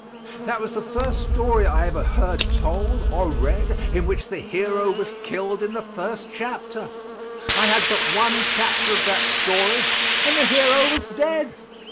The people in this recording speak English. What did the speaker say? That was the first story I ever heard told or read in which the hero was killed in the first chapter. I had but one chapter of that story and the hero was dead.